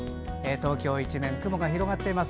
東京は一面雲が広がっています。